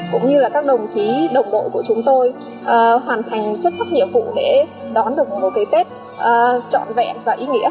cũng như là các đồng chí đồng đội của chúng tôi hoàn thành xuất sắc nhiệm vụ để đón được một cái tết trọn vẹn và ý nghĩa